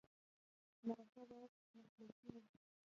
مرکه باید مسلکي وي.